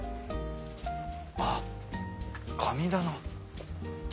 あっ神棚。